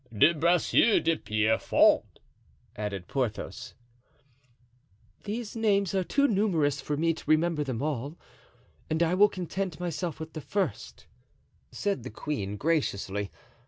"De Bracieux de Pierrefonds," added Porthos. "These names are too numerous for me to remember them all, and I will content myself with the first," said the queen, graciously.